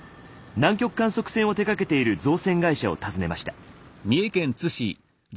南極観測船を手がけている造船会社を訪ねました。